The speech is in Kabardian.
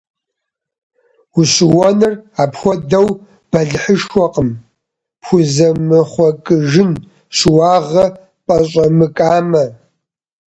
Ущыуэныр апхуэдэу бэлыхьышхуэкъым, пхузэмыхъуэкӀыжын щыуагъэ пӀэщӀэмыкӀамэ.